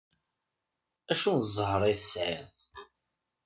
Acu n zher-a i tesɛiḍ!